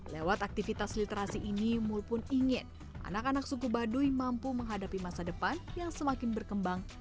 lewat aktivitas literasi ini mul pun ingin anak anak suku baduy mampu menghadapi masa depan yang semakin berkembang